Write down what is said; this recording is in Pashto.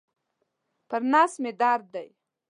پر نس مي درد دی.